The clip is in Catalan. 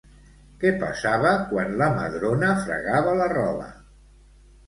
Què passava quan la Madrona fregava la roba?